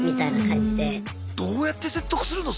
どうやって説得するの？